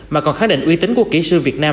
mà còn khẳng định uy tín của kỹ sư việt nam